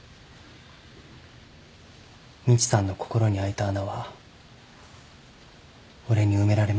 みちさんの心にあいた穴は俺に埋められますか？